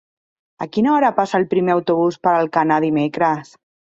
A quina hora passa el primer autobús per Alcanar dimecres?